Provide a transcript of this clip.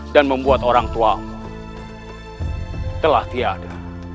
dan membuat orang tua mu telah tiada